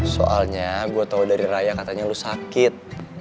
soalnya gue tau dari raya katanya lo sakit